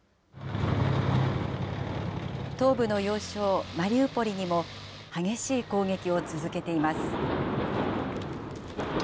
東部の要衝、マリウポリにも激しい攻撃を続けています。